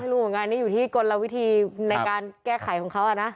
รู้เหมือนกันนี่อยู่ที่กลวิธีในการแก้ไขของเขานะ